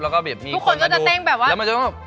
แล้วก็มีคนมาดูทุกคนก็จะเต้นแบบว่า